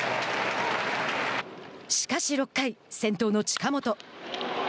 しかし６回、先頭の近本。